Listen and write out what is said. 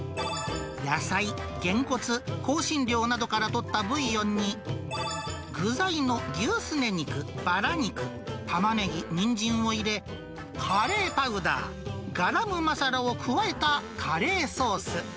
野菜、ゲンコツ、香辛料などからとったブイヨンに、具材の牛すね肉、バラ肉、タマネギ、ニンジンを入れ、カレーパウダー、ガラムマサラを加えたカレーソース。